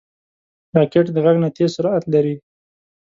راکټ د غږ نه تېز سرعت لري